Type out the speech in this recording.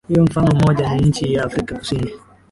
hiyo Mfano mmoja ni nchi ya Afrika Kusini